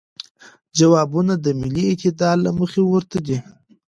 جوابونه د ملی اعتدال له مخې ورته دی.